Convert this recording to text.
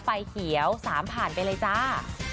ไฟเขียว๓ผ่านไปเลยจ้า